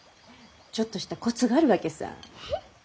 ちょっとしたコツがあるわけさぁ。